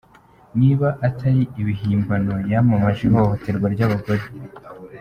Niba atari ibihimbano yamamaje ihohoterwa ryabagore.